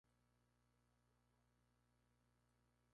Acapulco, Gro.